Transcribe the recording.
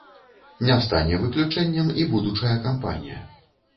Не стане выключэннем і будучая кампанія.